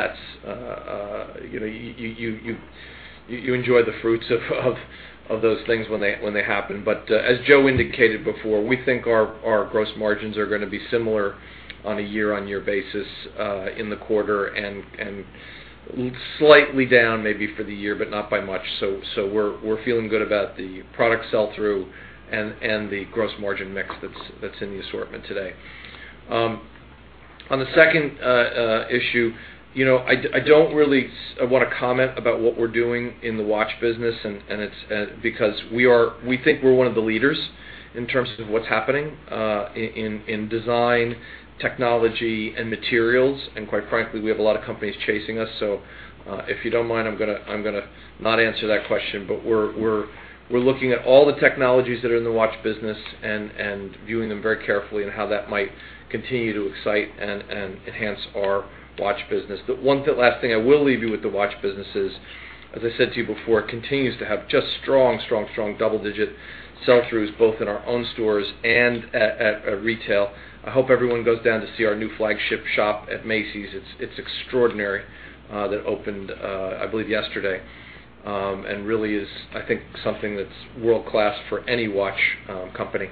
enjoy the fruits of those things when they happen. As Joe Parsons indicated before, we think our gross margins are going to be similar on a year-on-year basis in the quarter and slightly down maybe for the year, but not by much. We're feeling good about the product sell-through and the gross margin mix that's in the assortment today. On the second issue, I don't really want to comment about what we're doing in the watch business because we think we're one of the leaders in terms of what's happening in design, technology, and materials. Quite frankly, we have a lot of companies chasing us. If you don't mind, I'm going to not answer that question, but we're looking at all the technologies that are in the watch business and viewing them very carefully and how that might continue to excite and enhance our watch business. The last thing I will leave you with the watch business is, as I said to you before, it continues to have just strong, strong double-digit sell-throughs, both in our own stores and at retail. I hope everyone goes down to see our new flagship shop at Macy's. It's extraordinary, that opened, I believe, yesterday, and really is, I think, something that's world-class for any watch company.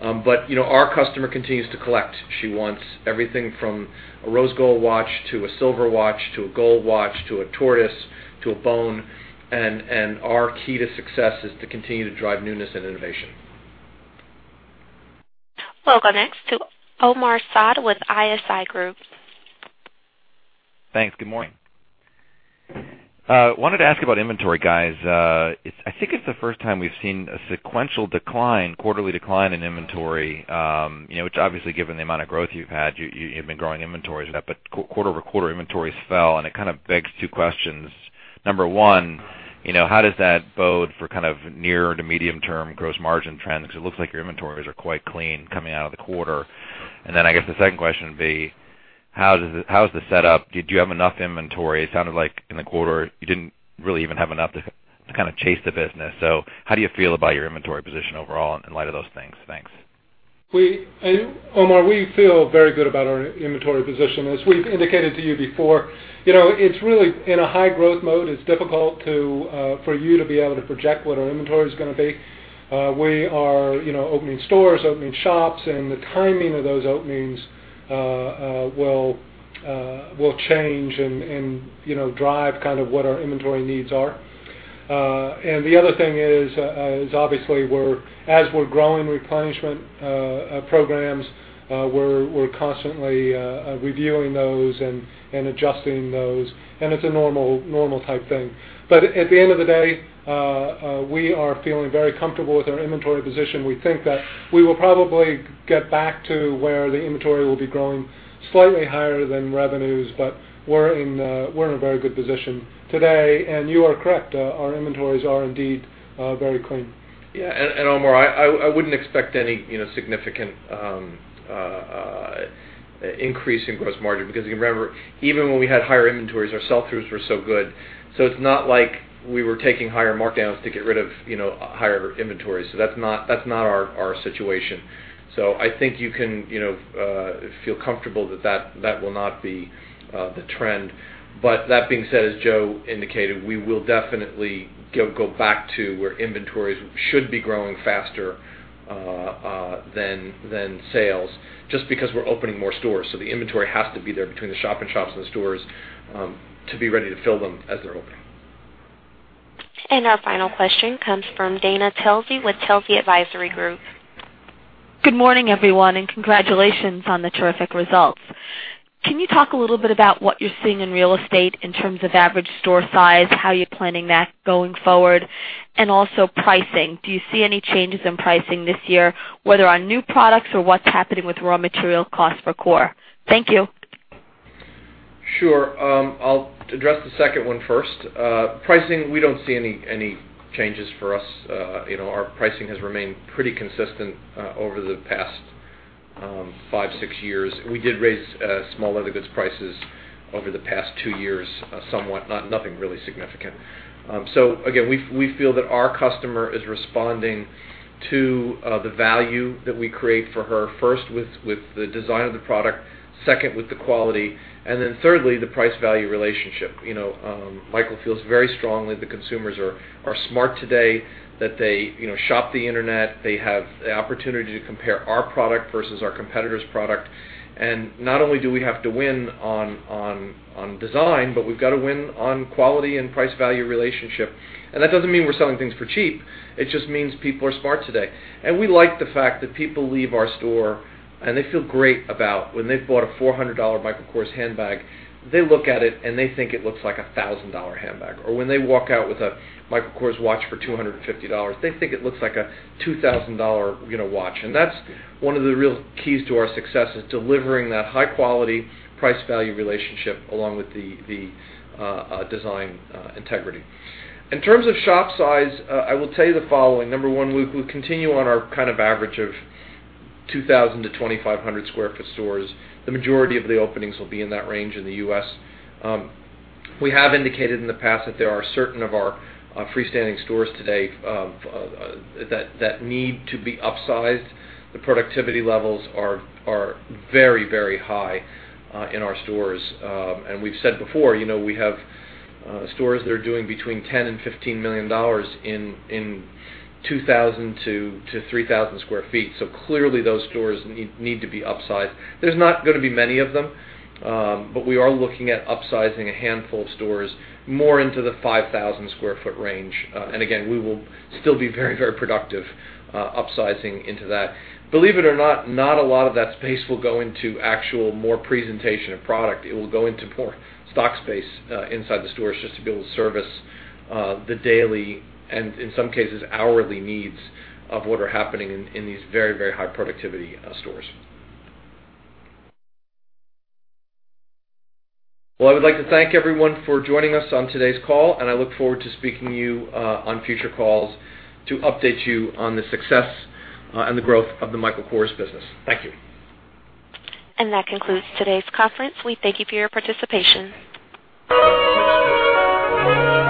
Our customer continues to collect. She wants everything from a rose gold watch, to a silver watch, to a gold watch, to a tortoise, to a bone, and our key to success is to continue to drive newness and innovation. We'll go next to Omar Saad with ISI Group. Thanks. Good morning. Wanted to ask about inventory, guys. I think it's the first time we've seen a sequential decline, quarterly decline in inventory, which obviously, given the amount of growth you've had, you've been growing inventories, but quarter-over-quarter inventories fell, it kind of begs two questions. Number one, how does that bode for kind of near to medium-term gross margin trends? Because it looks like your inventories are quite clean coming out of the quarter. I guess the second question would be, how is the setup? Did you have enough inventory? It sounded like in the quarter you didn't really even have enough to chase the business. How do you feel about your inventory position overall in light of those things? Thanks. Omar, we feel very good about our inventory position. As we've indicated to you before, it's really in a high growth mode. It's difficult for you to be able to project what our inventory is going to be. We are opening stores, opening shops, the timing of those openings will change and drive what our inventory needs are. The other thing is, obviously, as we're growing replenishment programs, we're constantly reviewing those and adjusting those, it's a normal type thing. At the end of the day, we are feeling very comfortable with our inventory position. We think that we will probably get back to where the inventory will be growing slightly higher than revenues, but we're in a very good position today. You are correct, our inventories are indeed very clean. Yeah. Omar, I wouldn't expect any significant increase in gross margin because you can remember, even when we had higher inventories, our sell-throughs were so good. It's not like we were taking higher markdowns to get rid of higher inventories. That's not our situation. I think you can feel comfortable that that will not be the trend. That being said, as Joe indicated, we will definitely go back to where inventories should be growing faster than sales just because we're opening more stores. The inventory has to be there between the shop-in-shops and the stores to be ready to fill them as they're opening. Our final question comes from Dana Telsey with Telsey Advisory Group. Good morning, everyone, and congratulations on the terrific results. Can you talk a little bit about what you're seeing in real estate in terms of average store size, how you're planning that going forward, and also pricing? Do you see any changes in pricing this year, whether on new products or what's happening with raw material costs for Kors? Thank you. Sure. I'll address the second one first. Pricing, we don't see any changes for us. Our pricing has remained pretty consistent over the past five, six years. We did raise small leather goods prices over the past two years somewhat, nothing really significant. Again, we feel that our customer is responding to the value that we create for her, first with the design of the product, second with the quality, and then thirdly, the price-value relationship. Michael feels very strongly the consumers are smart today, that they shop the Internet. They have the opportunity to compare our product versus our competitor's product. Not only do we have to win on design, but we've got to win on quality and price-value relationship. That doesn't mean we're selling things for cheap. It just means people are smart today. We like the fact that people leave our store and they feel great about when they've bought a $400 Michael Kors handbag, they look at it and they think it looks like a $1,000 handbag. When they walk out with a Michael Kors watch for $250, they think it looks like a $2,000 watch. That's one of the real keys to our success, is delivering that high-quality price-value relationship along with the design integrity. In terms of shop size, I will tell you the following. Number one, we continue on our average of 2,000 to 2,500 sq ft stores. The majority of the openings will be in that range in the U.S. We have indicated in the past that there are certain of our freestanding stores today that need to be upsized. The productivity levels are very high in our stores. We've said before, we have stores that are doing between $10 million and $15 million in 2,000 to 3,000 sq ft. Clearly those stores need to be upsized. There's not going to be many of them, but we are looking at upsizing a handful of stores more into the 5,000 sq ft range. Again, we will still be very productive upsizing into that. Believe it or not a lot of that space will go into actual more presentation of product. It will go into more stock space inside the stores just to be able to service the daily and in some cases, hourly needs of what are happening in these very high productivity stores. Well, I would like to thank everyone for joining us on today's call, and I look forward to speaking to you on future calls to update you on the success and the growth of the Michael Kors business. Thank you. That concludes today's conference. We thank you for your participation.